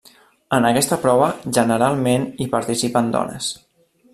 En aquesta prova generalment hi participen dones.